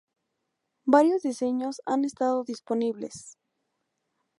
Varios diseños han estado disponibles.